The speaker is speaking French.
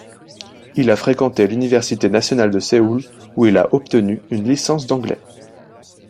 Il a fréquenté l'Université Nationale de Séoul où il a obtenu une licence d'anglais.